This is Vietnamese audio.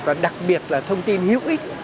và đặc biệt là thông tin hữu ích